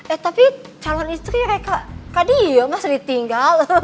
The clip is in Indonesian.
eh tapi calon istri mereka tadi ya masih ditinggal